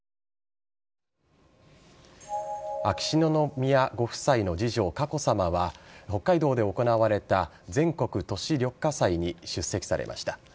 秋篠宮ご夫妻の次女佳子さまは北海道で行われた全国都市緑化祭に出席されました。